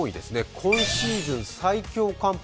今シーズン最強寒波